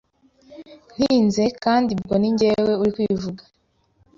ntinze kandi ubwo ni njyewe uri kwivuga